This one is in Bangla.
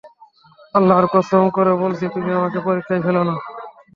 আল্লাহর কসম করে বলছি, তুমি আমাকে পরীক্ষায় ফেলো না।